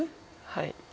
はい。